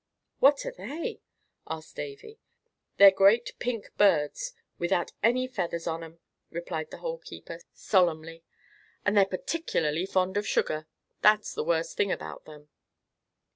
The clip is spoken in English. "What are they?" said Davy. "They're great pink birds, without any feathers on 'em," replied the Hole keeper, solemnly. "And they're particularly fond of sugar. That's the worst thing about 'em."